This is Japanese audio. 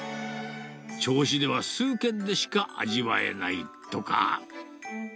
銚子では数軒でしか味わえないとか。